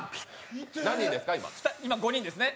今５人ですね。